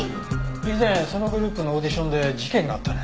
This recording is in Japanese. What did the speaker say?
以前そのグループのオーディションで事件があったね。